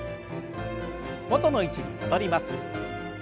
元の位置に戻ります。